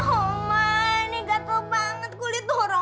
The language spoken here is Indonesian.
oma ini gatel banget kulit dora